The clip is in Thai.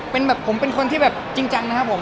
เป็นแบบผมเป็นคนที่แบบจริงจังนะครับผม